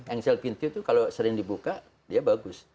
engsel pintu itu kalau sering dibuka dia bagus